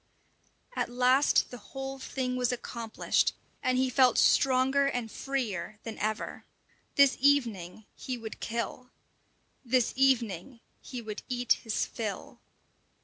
At last the whole thing was accomplished, and he felt stronger and freer than ever. This evening he would kill! This evening he would eat his fill!